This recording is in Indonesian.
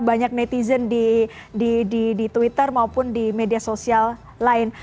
banyak netizen di twitter maupun di media sosial lain